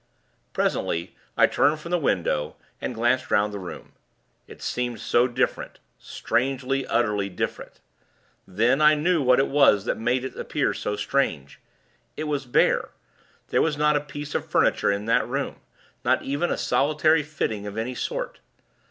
Presently, I turned from the window, and glanced 'round the room. It seemed different strangely, utterly different. Then, I knew what it was that made it appear so strange. It was bare: there was not a piece of furniture in the room; not even a solitary fitting of any sort.